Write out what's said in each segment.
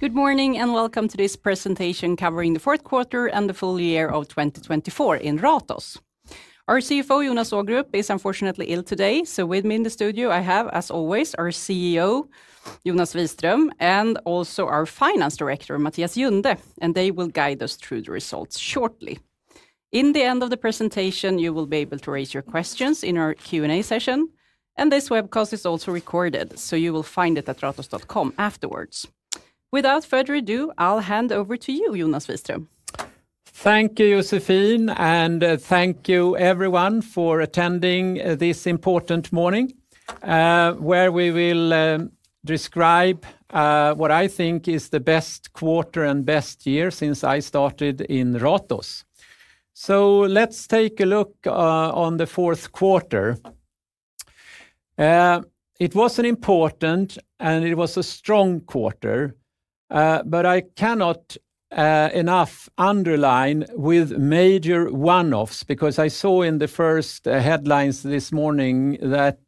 Good morning and welcome to this presentation covering the fourth quarter and the full year of 2024 in Ratos. Our CFO, Jonas Ågrup, is unfortunately ill today, so with me in the studio I have, as always, our CEO, Jonas Wiström, and also our Finance Director, Mattias Junde, and they will guide us through the results shortly. In the end of the presentation, you will be able to raise your questions in our Q&A session, and this webcast is also recorded, so you will find it at ratos.com afterwards. Without further ado, I'll hand over to you, Jonas Wiström. Thank you, Josefine, and thank you everyone for attending this important morning where we will describe what I think is the best quarter and best year since I started in Ratos. So let's take a look on the fourth quarter. It was an important and it was a strong quarter, but I cannot enough underline with major one-offs because I saw in the first headlines this morning that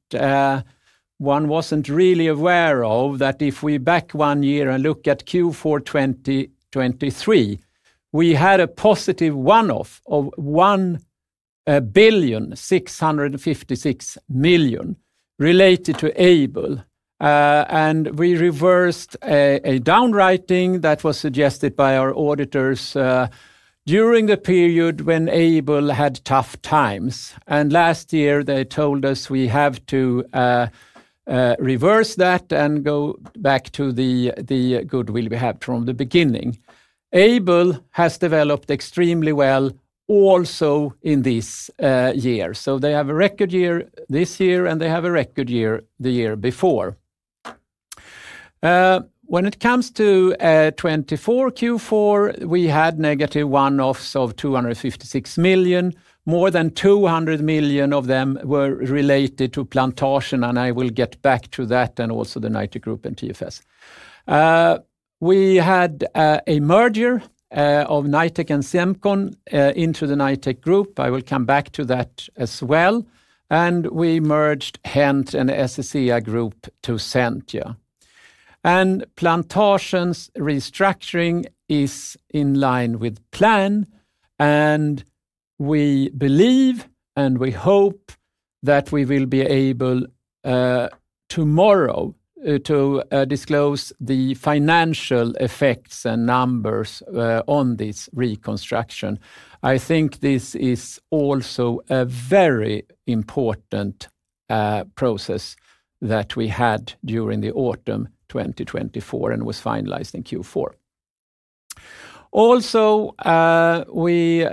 one wasn't really aware of that if we go back one year and look at Q4 2023, we had a positive one-off of 1,656 million related to Aibel, and we reversed a write-down that was suggested by our auditors during the period when Aibel had tough times. Last year they told us we have to reverse that and go back to the goodwill we had from the beginning. Aibel has developed extremely well also in this year, so they have a record year this year and they have a record year the year before. When it comes to Q4, we had negative one-offs of 256 million. More than 200 million of them were related to Plantasjen, and I will get back to that and also the Knightec Group and TFS. We had a merger of Knightec and Semcon into the Knightec Group. I will come back to that as well, and we merged HENT and SSEA Group to Sentia, and Plantasjen restructuring is in line with plan, and we believe and we hope that we will be able tomorrow to disclose the financial effects and numbers on this reconstruction. I think this is also a very important process that we had during the autumn 2024 and was finalized in Q4. Also, we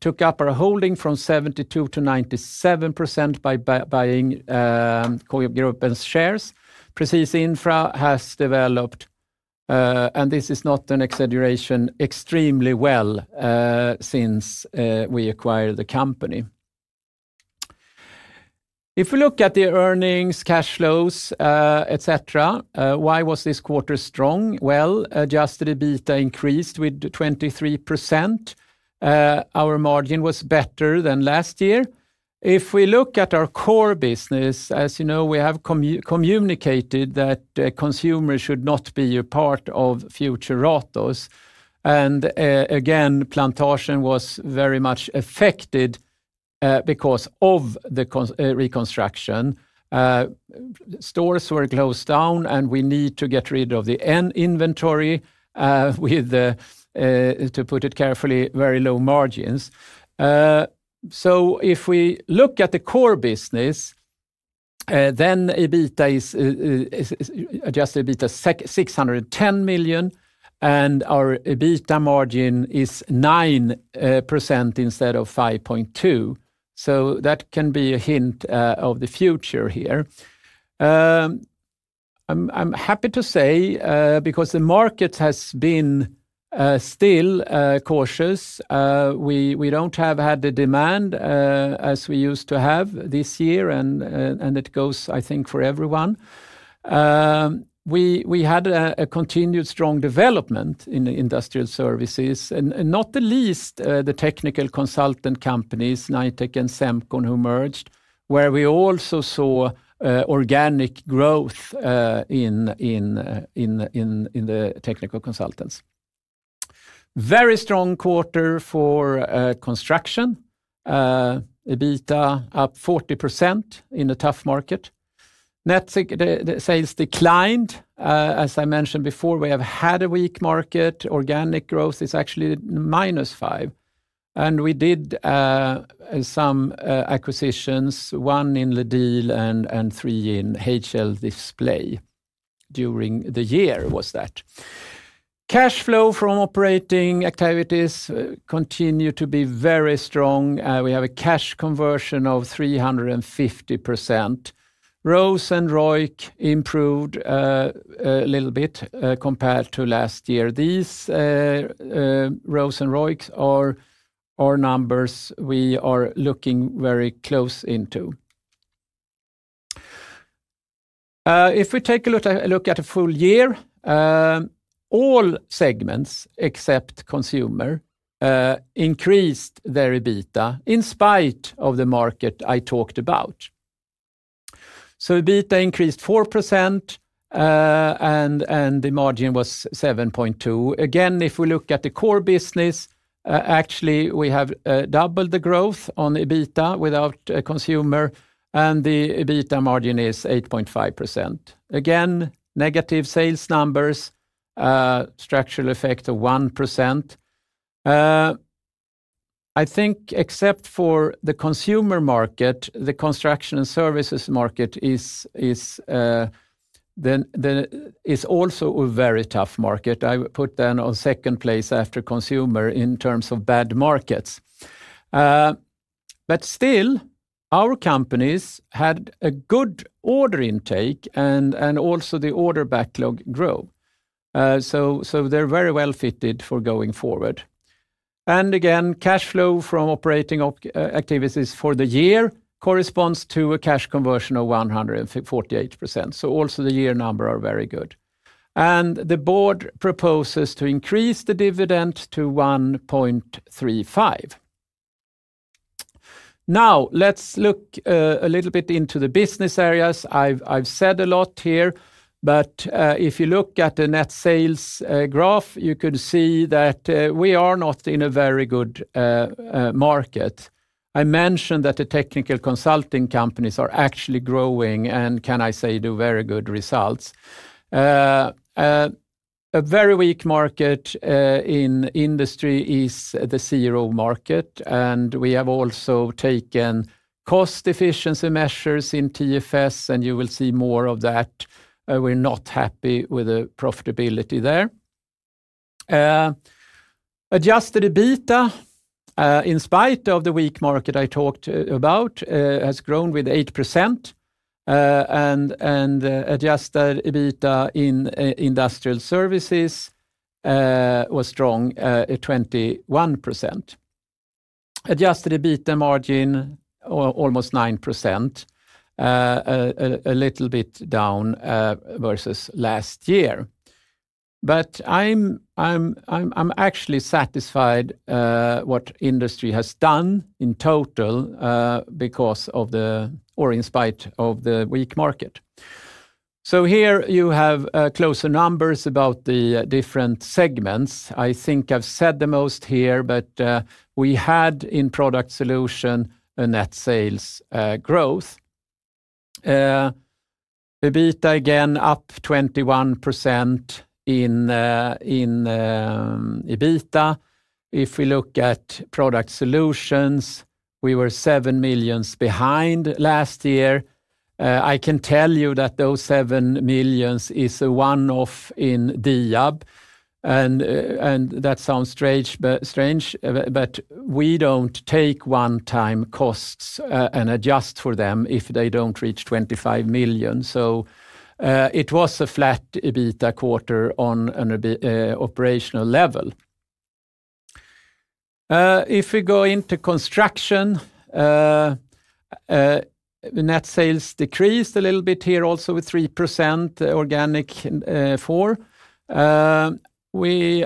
took up our holding from 72%-97% by buying KB Gruppen and shares. Presis Infra has developed, and this is not an exaggeration, extremely well since we acquired the company. If we look at the earnings, cash flows, etc., why was this quarter strong? Well, adjusted EBITDA increased with 23%. Our margin was better than last year. If we look at our core business, as you know, we have communicated that consumers should not be a part of future Ratos. And again, Plantasjen was very much affected because of the reconstruction. Stores were closed down, and we need to get rid of the inventory with, to put it carefully, very low margins. So if we look at the core business, then EBITDA is adjusted EBITDA 610 million, and our EBITDA margin is 9% instead of 5.2%. So that can be a hint of the future here. I'm happy to say because the market has been still cautious. We don't have had the demand as we used to have this year, and it goes, I think, for everyone. We had a continued strong development in industrial services, and not the least the technical consultant companies, Knightec and Semcon, who merged, where we also saw organic growth in the technical consultants. Very strong quarter for construction. EBITDA up 40% in a tough market. Net sales declined. As I mentioned before, we have had a weak market. Organic growth is actually -5%, and we did some acquisitions, one in LEDiL and three in HL Display during the year, was that. Cash flow from operating activities continued to be very strong. We have a cash conversion of 350%. ROCE and ROIC improved a little bit compared to last year. These ROCE and ROICs are our numbers we are looking very close into. If we take a look at a full year, all segments except consumer increased their EBITDA in spite of the market I talked about. So EBITDA increased 4%, and the margin was 7.2%. Again, if we look at the core business, actually we have doubled the growth on EBITDA without consumer, and the EBITDA margin is 8.5%. Again, negative sales numbers, structural effect of 1%. I think except for the consumer market, the construction and services market is also a very tough market. I put them on second place after consumer in terms of bad markets. But still, our companies had a good order intake and also the order backlog grow. So they're very well fitted for going forward. And again, cash flow from operating activities for the year corresponds to a cash conversion of 148%. So also the year number are very good. The board proposes to increase the dividend to 1.35%. Now let's look a little bit into the business areas. I've said a lot here, but if you look at the net sales graph, you could see that we are not in a very good market. I mentioned that the technical consulting companies are actually growing and can I say do very good results. A very weak market in industry is the CRO market, and we have also taken cost efficiency measures in TFS, and you will see more of that. We're not happy with the profitability there. Adjusted EBITDA, in spite of the weak market I talked about, has grown with 8%, and adjusted EBITDA in industrial services was strong at 21%. Adjusted EBITDA margin almost 9%, a little bit down versus last year. But I'm actually satisfied what industry has done in total because of the, or in spite of the weak market. So here you have closer numbers about the different segments. I think I've said the most here, but we had in product solutions a net sales growth. EBITDA again up 21% in EBITDA. If we look at product solutions, we were 7 million behind last year. I can tell you that those 7 million is a one-off in Diab, and that sounds strange, but we don't take one-time costs and adjust for them if they don't reach 25 million. So it was a flat EBITDA quarter on an operational level. If we go into construction, net sales decreased a little bit here also with 3% organic for. We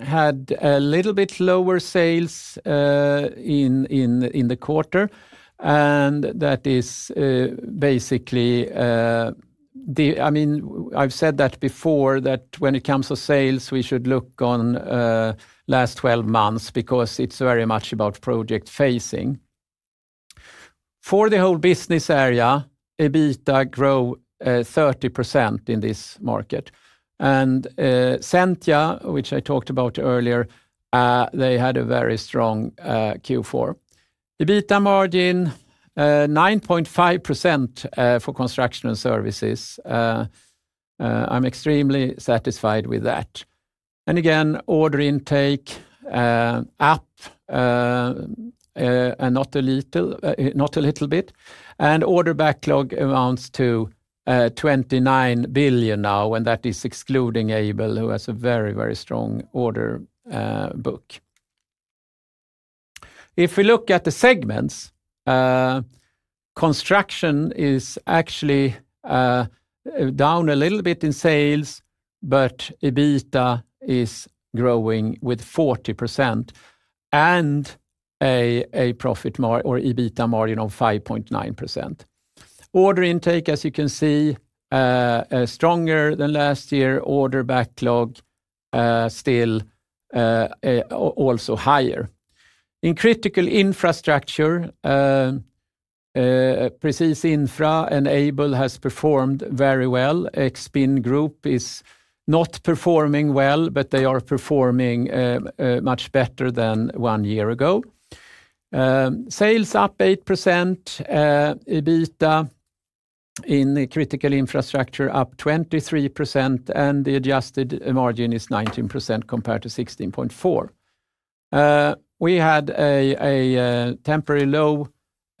had a little bit lower sales in the quarter, and that is basically, I mean, I've said that before that when it comes to sales, we should look on last 12 months because it's very much about project facing. For the whole business area, EBITDA grow 30% in this market. And Sentia, which I talked about earlier, they had a very strong Q4. EBITDA margin 9.5% for construction and services. I'm extremely satisfied with that. And again, order intake up and not a little bit. And order backlog amounts to 29 billion now, and that is excluding Aibel, who has a very, very strong order book. If we look at the segments, construction is actually down a little bit in sales, but EBITDA is growing with 40% and a profit margin or EBITDA margin of 5.9%. Order intake, as you can see, stronger than last year. Order backlog still also higher. In critical infrastructure, Presis Infra and Aibel has performed very well. Expin Group is not performing well, but they are performing much better than one year ago. Sales up 8%, EBITDA in critical infrastructure up 23%, and the adjusted margin is 19% compared to 16.4%. We had a temporary low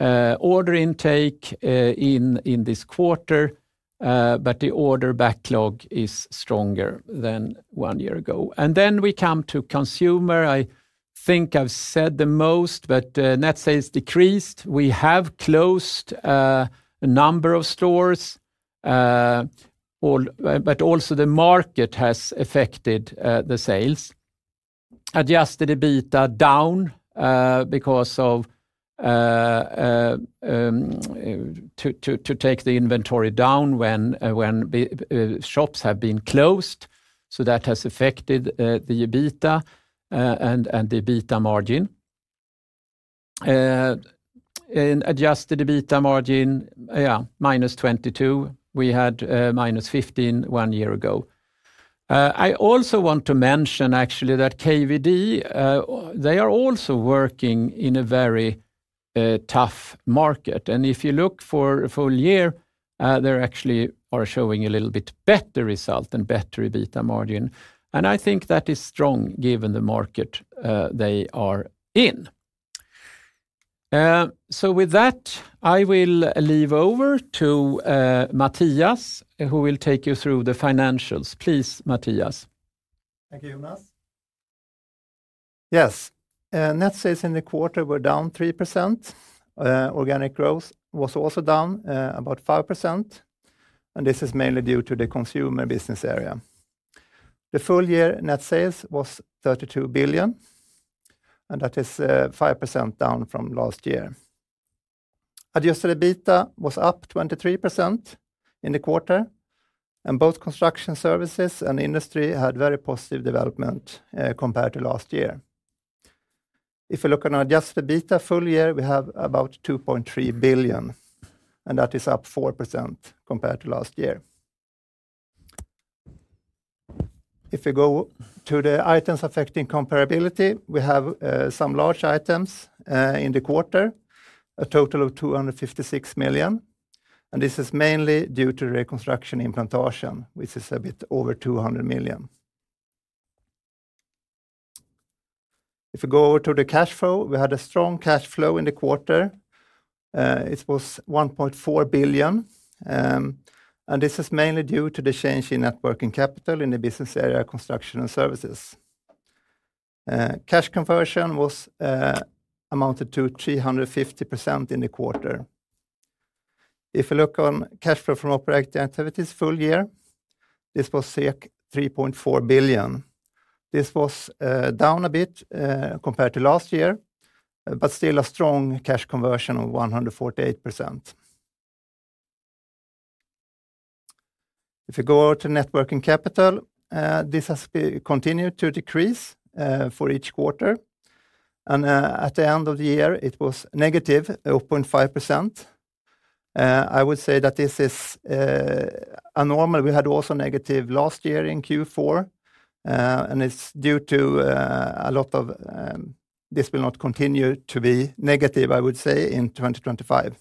order intake in this quarter, but the order backlog is stronger than one year ago. And then we come to consumer. I think I've said the most, but net sales decreased. We have closed a number of stores, but also the market has affected the sales. Adjusted EBITDA down because of to take the inventory down when shops have been closed. So that has affected the EBITDA and the EBITDA margin. Adjusted EBITDA margin, yeah, minus 22%. We had minus 15% one year ago. I also want to mention actually that KVD, they are also working in a very tough market. And if you look for full year, they actually are showing a little bit better result and better EBITDA margin. And I think that is strong given the market they are in. So with that, I will hand over to Mattias, who will take you through the financials. Please, Mattias. Thank you, Jonas. Yes, net sales in the quarter were down 3%. Organic growth was also down about 5%. And this is mainly due to the consumer business area. The full year net sales was 32 billion, and that is 5% down from last year. Adjusted EBITDA was up 23% in the quarter, and both construction services and industry had very positive development compared to last year. If we look on Adjusted EBITDA full year, we have about 2.3 billion, and that is up 4% compared to last year. If we go to the items affecting comparability, we have some large items in the quarter, a total of 256 million. And this is mainly due to reconstruction in Plantasjen, which is a bit over 200 million. If we go over to the cash flow, we had a strong cash flow in the quarter. It was 1.4 billion. And this is mainly due to the change in working capital in the business area construction and services. Cash conversion was amounted to 350% in the quarter. If we look on cash flow from operating activities full year, this was 3.4 billion. This was down a bit compared to last year, but still a strong cash conversion of 148%. If we go to net working capital, this has continued to decrease for each quarter. At the end of the year, it was negative 0.5%. I would say that this is normal. We had also negative last year in Q4, and it's due to a lot of this will not continue to be negative, I would say, in 2025.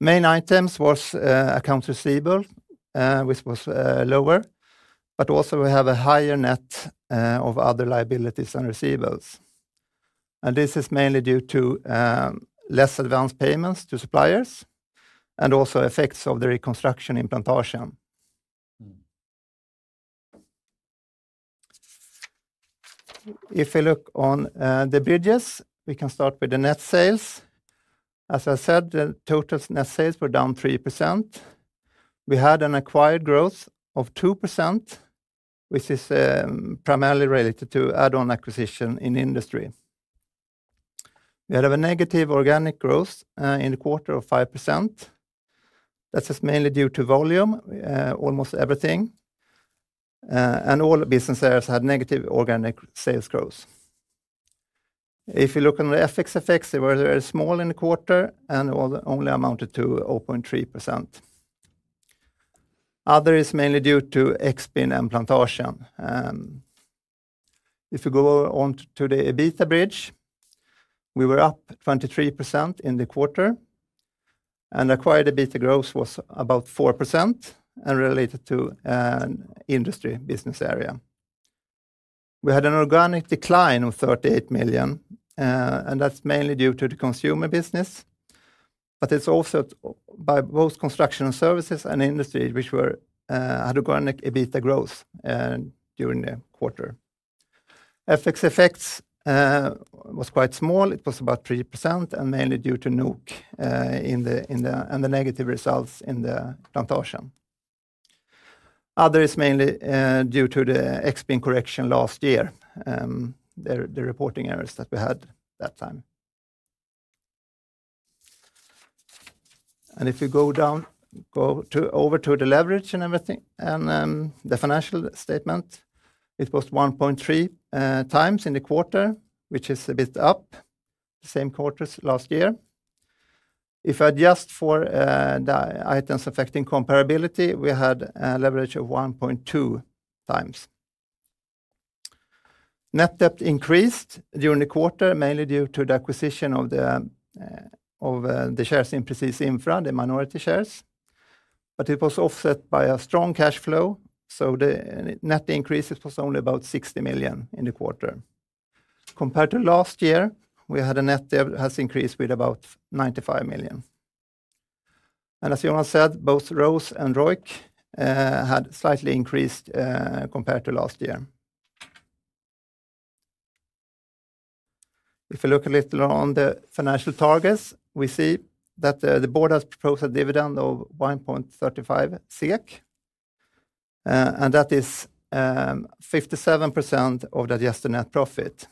Main items was accounts receivable, which was lower, but also we have a higher net of other liabilities and receivables. This is mainly due to less advanced payments to suppliers and also effects of the reconstruction in Plantasjen. If we look on the bridges, we can start with the net sales. As I said, the total net sales were down 3%. We had an acquired growth of 2%, which is primarily related to add-on acquisition in industry. We have a negative organic growth in the quarter of 5%. That is mainly due to volume, almost everything. All business areas had negative organic sales growth. If you look on the FX effects, they were very small in the quarter and only amounted to 0.3%. Other is mainly due to Expin and Plantasjen. If we go on to the EBITDA bridge, we were up 23% in the quarter. Acquired EBITDA growth was about 4% and related to industry business area. We had an organic decline of 38 million, and that's mainly due to the consumer business. It's also by both construction and services and industry, which had organic EBITDA growth during the quarter. FX effects was quite small. It was about 3% and mainly due to NOK and the negative results in the Plantasjen. Other is mainly due to the Expin correction last year, the reporting errors that we had that time. And if we go down, go over to the leverage and everything and the financial statement, it was 1.3 times in the quarter, which is a bit up the same quarter as last year. If I adjust for the items affecting comparability, we had a leverage of 1.2 times. Net debt increased during the quarter, mainly due to the acquisition of the shares in Presis Infra, the minority shares. But it was offset by a strong cash flow, so the net increase was only about 60 million in the quarter. Compared to last year, we had a net debt has increased with about 95 million. And as Jonas said, both ROCE and ROIC had slightly increased compared to last year. If we look a little on the financial targets, we see that the board has proposed a dividend of 1.35 SEK. And that is 57% of the adjusted net profit.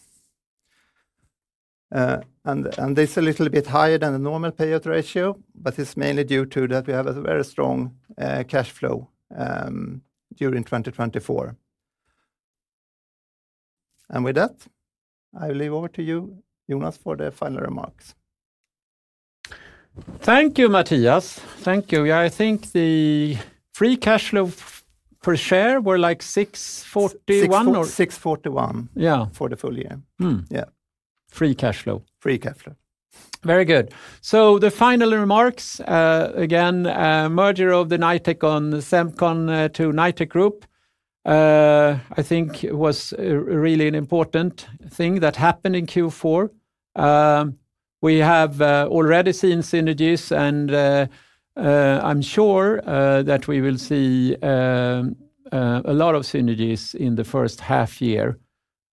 This is a little bit higher than the normal payout ratio, but it's mainly due to that we have a very strong cash flow during 2024. With that, I will hand over to you, Jonas, for the final remarks. Thank you, Mattias. Thank you. I think the free cash flow per share were like 641 or 641 for the full year. Yeah. Free cash flow. Free cash flow. Very good. The final remarks, again, merger of the Knightec and Semcon to Knightec Group, I think was really an important thing that happened in Q4. We have already seen synergies, and I'm sure that we will see a lot of synergies in the first half year.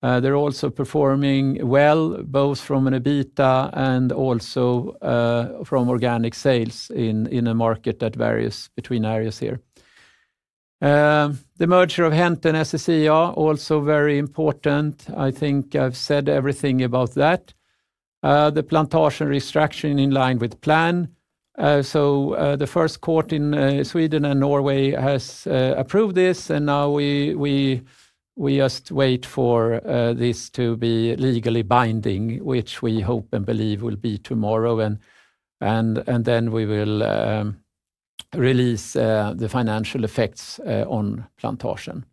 They are also performing well, both from an EBITDA and also from organic sales in a market that varies between areas here. The merger of HENT and SSEA also very important. I think I've said everything about that. The Plantasjen restructuring in line with plan. So the first court in Sweden and Norway has approved this, and now we just wait for this to be legally binding, which we hope and believe will be tomorrow. And then we will release the financial effects on Plantasjen.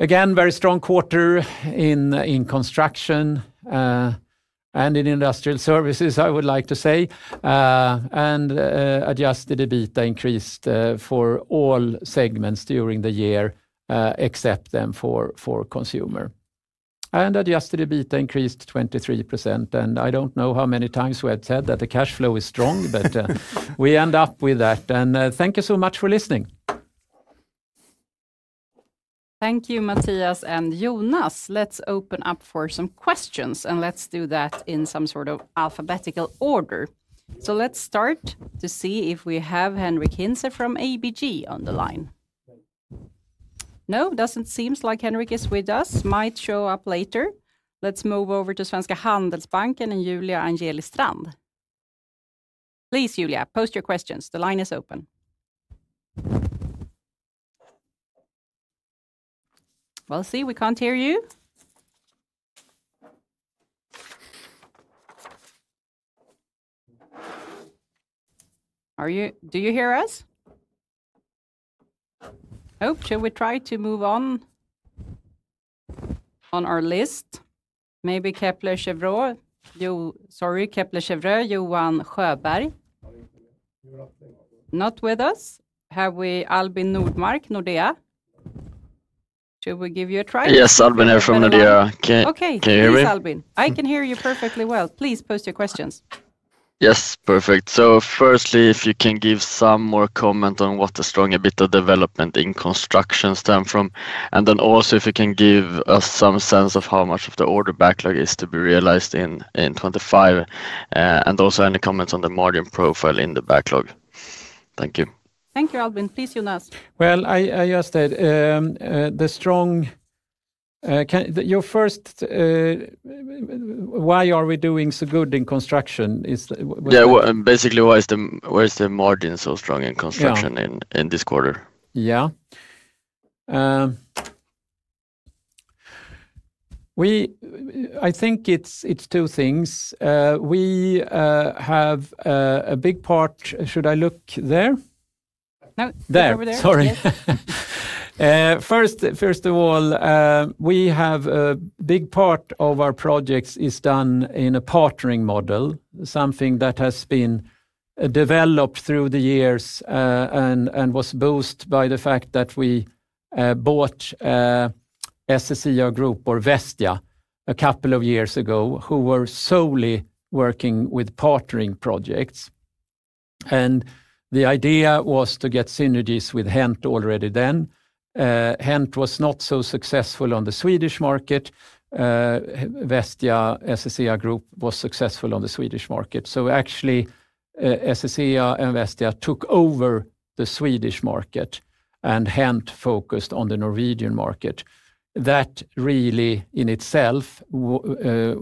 Again, very strong quarter in construction and in industrial services, I would like to say. And Adjusted EBITDA increased for all segments during the year except for consumer. And Adjusted EBITDA increased 23%. And I don't know how many times we had said that the cash flow is strong, but we end up with that. And thank you so much for listening. Thank you, Mattias and Jonas. Let's open up for some questions, and let's do that in some sort of alphabetical order. Let's start to see if we have Henric Hintze from ABG on the line. No, doesn't seem like Henrik is with us. Might show up later. Let's move over to Svenska Handelsbanken and Julia Angeli Strand. Please, Julia, pose your questions. The line is open. Well, see, we can't hear you. Do you hear us? Perhaps we should try to move on our list? Maybe Kepler Cheuvreux. Sorry, Kepler Cheuvreux, Johan Sjöberg. Not with us. Have we Albin Nordmark, Nordea? Should we give you a try? Yes, Albin here from Nordea. Can you hear me? Yes, Albin. I can hear you perfectly well. Please pose your questions. Yes, perfect. So firstly, if you can give some more comment on what the strong EBITDA development in the construction segment stems from and then also if you can give us some sense of how much of the order backlog is to be realized in 2025 and also any comments on the margin profile in the backlog. Thank you. Thank you, Albin. Please, Jonas. Well, I just said the strong why are we doing so good in construction? Yeah, basically why is the margin so strong in construction in this quarter? Yeah. I think it's two things. We have a big part, should I look there? There. Sorry. First of all, we have a big part of our projects is done in a partnering model, something that has been developed through the years and was boosted by the fact that we bought SSEA Group or Vestia a couple of years ago, who were solely working with partnering projects. And the idea was to get synergies with HENT already then. HENT was not so successful on the Swedish market. Vestia SSEA Group was successful on the Swedish market. So actually, SSEA and Vestia took over the Swedish market and HENT focused on the Norwegian market. That really in itself, the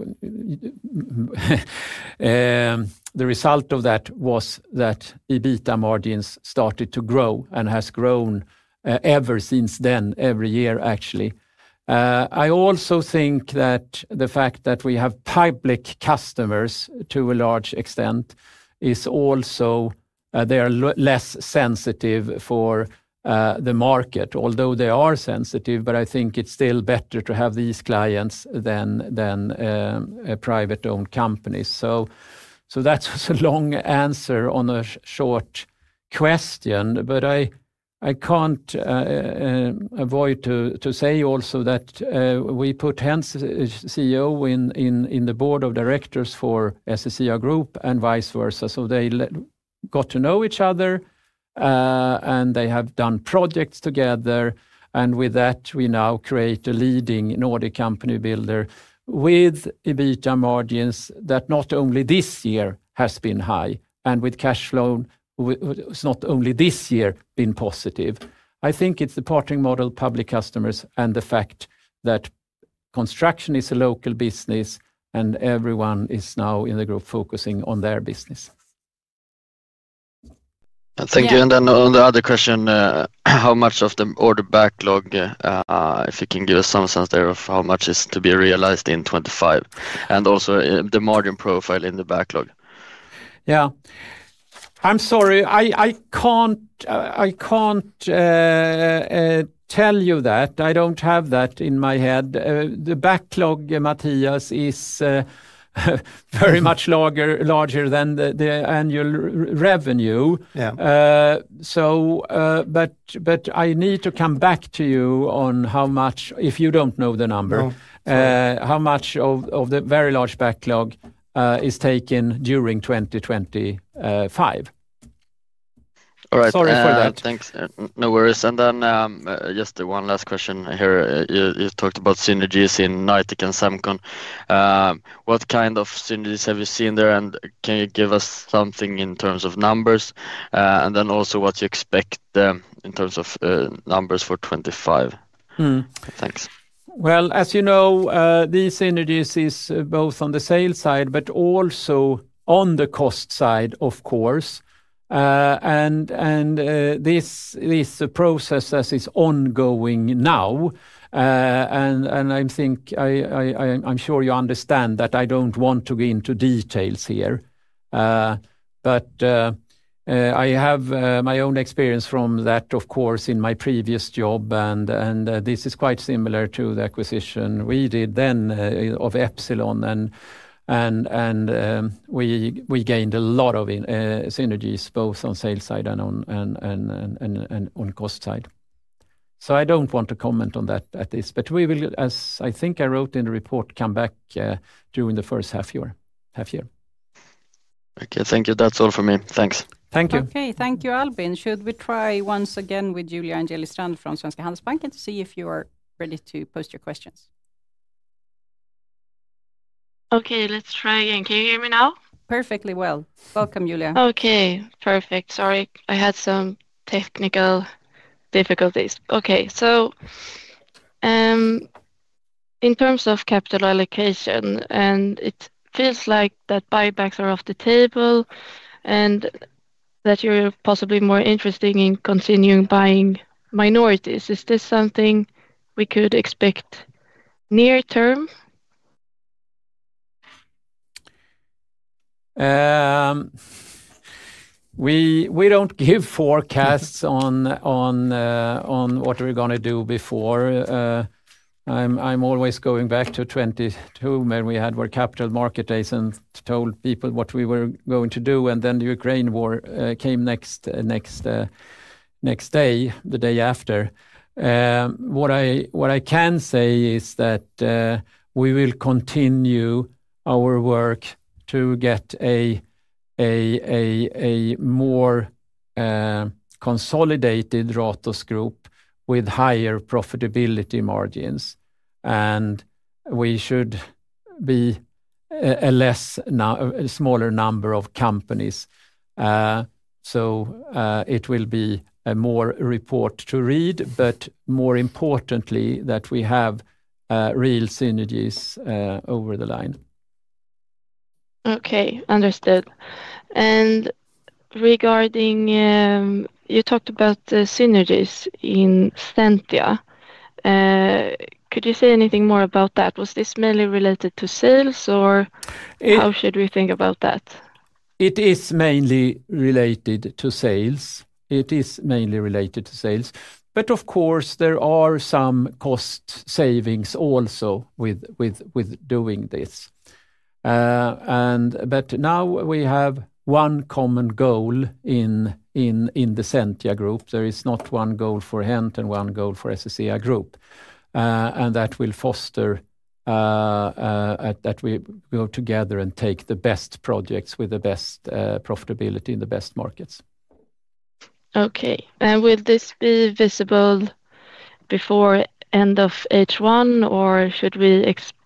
result of that was that EBITDA margins started to grow and has grown ever since then, every year actually. I also think that the fact that we have public customers to a large extent is also they are less sensitive for the market, although they are sensitive, but I think it's still better to have these clients than private-owned companies. So that's a long answer on a short question, but I can't avoid to say also that we put HENT's CEO in the board of directors for SSEA Group and vice versa. So they got to know each other and they have done projects together. And with that, we now create a leading Nordic company builder with EBITDA margins that not only this year has been high and with cash flow has not only this year been positive. I think it's the partnering model, public customers, and the fact that construction is a local business and everyone is now in the group focusing on their business. Thank you. And then on the other question, how much of the order backlog, if you can give us some sense there of how much is to be realized in 2025 and also the margin profile in the backlog? Yeah. I'm sorry, I can't tell you that. I don't have that in my head. The backlog, Mattias, is very much larger than the annual revenue. But I need to come back to you on how much, if you don't know the number, how much of the very large backlog is taken during 2025. All right. Sorry for that. Thanks. No worries. And then just one last question here. You talked about synergies in Knightec and Semcon. What kind of synergies have you seen there? And can you give us something in terms of numbers? And then also what you expect in terms of numbers for 25? Thanks. Well, as you know, these synergies is both on the sales side, but also on the cost side, of course. And this process is ongoing now. And I think I'm sure you understand that I don't want to go into details here. But I have my own experience from that, of course, in my previous job. And this is quite similar to the acquisition we did then of Epsilon. And we gained a lot of synergies, both on sales side and on cost side. So I don't want to comment on that at this. But we will, as I think I wrote in the report, come back during the first half year. Okay. Thank you. That's all for me. Thanks. Thank you. Okay. Thank you, Albin. Should we try once again with Julia Angeli Strand from Svenska Handelsbanken to see if you are ready to pose your questions? Okay. Let's try again. Can you hear me now? Perfectly well. Welcome, Julia. Okay. Perfect. Sorry. I had some technical difficulties. Okay. So in terms of capital allocation, and it feels like that buybacks are off the table and that you're possibly more interested in continuing buying minorities. Is this something we could expect near term? We don't give forecasts on what we're going to do before. I'm always going back to 2022 when we had our capital market days and told people what we were going to do. And then the Ukraine war came next day, the day after. What I can say is that we will continue our work to get a more consolidated Ratos Group with higher profitability margins. And we should be a smaller number of companies. So it will be a more report to read, but more importantly, that we have real synergies over the line. Okay. Understood. And regarding you talked about synergies in Sentia. Could you say anything more about that? Was this mainly related to sales or how should we think about that? It is mainly related to sales. It is mainly related to sales. But of course, there are some cost savings also with doing this but now we have one common goal in the SSEA Group. There is not one goal for HENT and one goal for SSEA Group. And that will foster that we go together and take the best projects with the best profitability in the best markets. Okay. And will this be visible before end of H1 or should we expect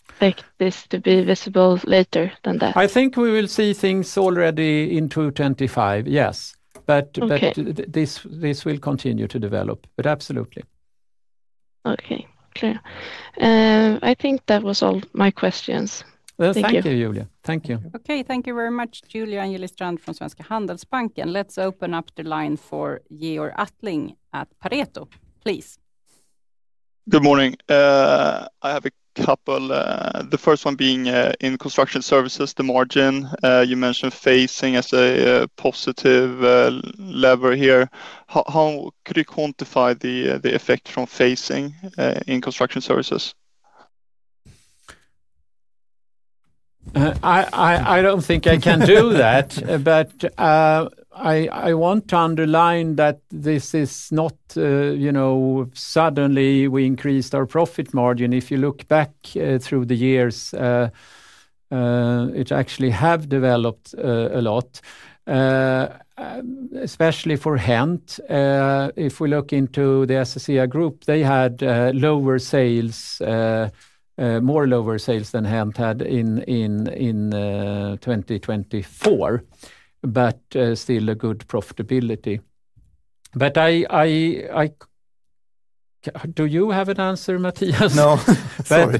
this to be visible later than that? I think we will see things already in 2025, yes. But this will continue to develop. But absolutely. Okay. Clear. I think that was all my questions. Thank you, Julia. Thank you. Okay. Thank you very much, Julia Angeli Strand from Svenska Handelsbanken. Let's open up the line for Georg Attling at Pareto, please. Good morning. I have a couple. The first one being in construction services, the margin. You mentioned phasing as a positive lever here. How could you quantify the effect from phasing in construction services? I don't think I can do that. But I want to underline that this is not suddenly we increased our profit margin. If you look back through the years, it actually has developed a lot, especially for HENT. If we look into the SSEA Group, they had lower sales, more lower sales than HENT had in 2024, but still a good profitability. But do you have an answer, Mattias? No.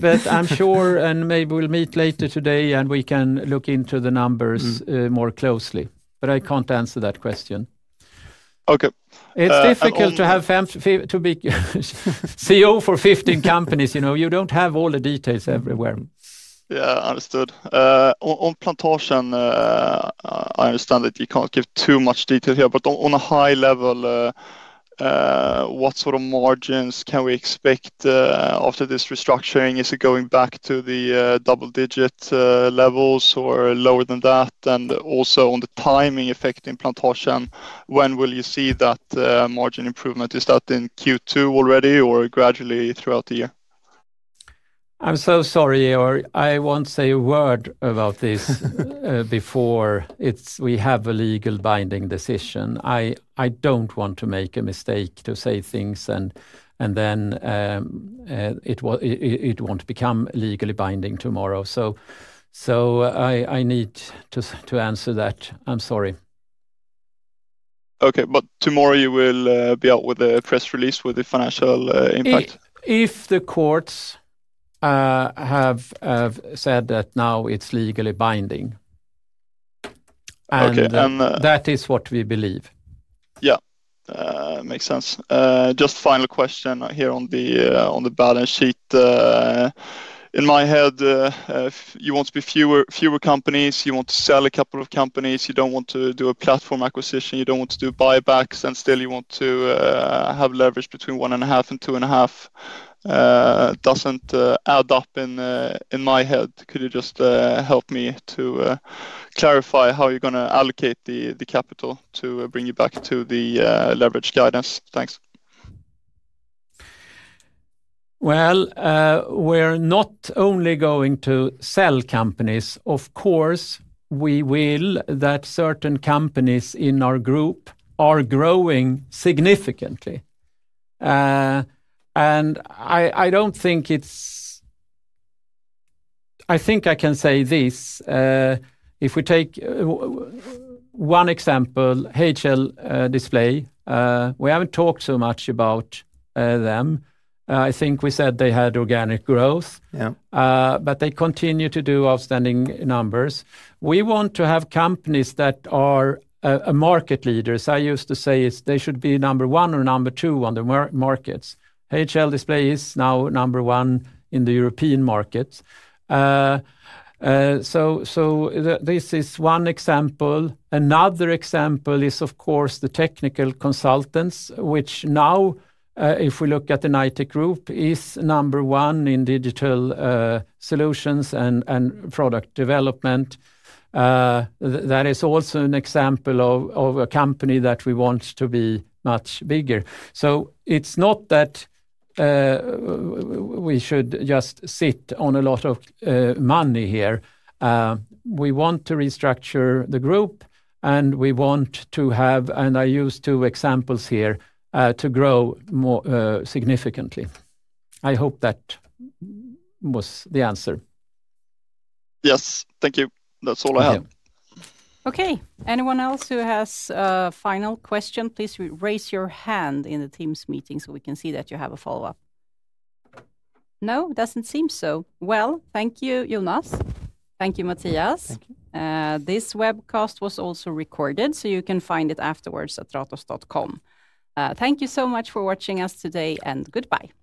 But I'm sure and maybe we'll meet later today and we can look into the numbers more closely. But I can't answer that question. Okay. It's difficult to have CEO for 15 companies. You don't have all the details everywhere. Yeah, understood. On Plantasjen, I understand that you can't give too much detail here. But on a high level, what sort of margins can we expect after this restructuring? Is it going back to the double-digit levels or lower than that? And also on the timing effect in Plantasjen, when will you see that margin improvement? Is that in Q2 already or gradually throughout the year? I'm so sorry, Georg. I won't say a word about this before we have a legal binding decision. I don't want to make a mistake to say things and then it won't become legally binding tomorrow. So I need to answer that. I'm sorry. Okay. But tomorrow you will be out with a press release with the financial impact? If the courts have said that now it's legally binding. And that is what we believe. Yeah. Makes sense. Just final question here on the balance sheet. In my head, you want to be fewer companies. You want to sell a couple of companies. You don't want to do a platform acquisition. You don't want to do buybacks, and still you want to have leverage between one and a half and two and a half. Doesn't add up in my head. Could you just help me to clarify how you're going to allocate the capital to bring you back to the leverage guidance? Thanks. Well, we're not only going to sell companies. Of course, we will that certain companies in our group are growing significantly. And I don't think it's. I think I can say this. If we take one example, HL Display, we haven't talked so much about them. I think we said they had organic growth, but they continue to do outstanding numbers. We want to have companies that are market leaders. I used to say they should be number one or number two on the markets. HL Display is now number one in the European markets. So this is one example. Another example is, of course, the technical consultants, which now, if we look at the Knightec Group, is number one in digital solutions and product development. That is also an example of a company that we want to be much bigger. So it's not that we should just sit on a lot of money here. We want to restructure the group and we want to have, and I use two examples here, to grow more significantly. I hope that was the answer. Yes. Thank you. That's all I have. Okay. Anyone else who has a final question, please raise your hand in the Teams meeting so we can see that you have a follow-up. No, it doesn't seem so. Well, thank you, Jonas. Thank you, Mattias. This webcast was also recorded, so you can find it afterwards at ratos.com Thank you so much for watching us today, and goodbye.